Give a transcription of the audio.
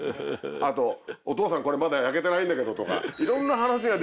あと「お父さんこれまだ焼けてないんだけど」とか。